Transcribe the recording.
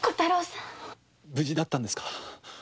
無事だったんですか。